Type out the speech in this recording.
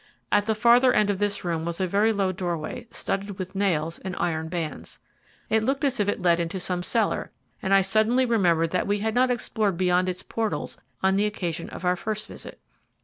At the farther end of this room was a very low doorway studded with nails and iron bands. It looked as if it led into some cellar, and I suddenly remembered that we had not explored beyond its portals on the occasion of our first visit.